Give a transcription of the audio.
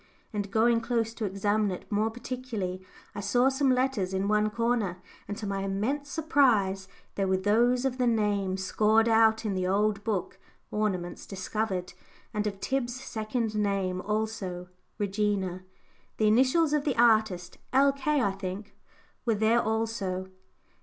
and going close to examine it more particularly, I saw some letters in one corner, and, to my immense surprise, they were those of the name scored out in the old book, "Ornaments Discovered," and of Tib's second name also "Regina." The initials of the artist "L.K.," I think were there also.